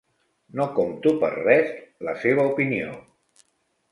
No compto per res la seva opinió.